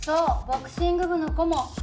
ボクシング部の顧問。